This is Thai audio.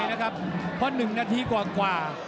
เพราะหนึ่งนาทีครับ